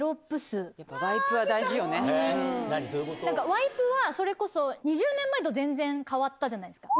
ワイプは、それこそ、２０年前と全然変わったじゃないですか。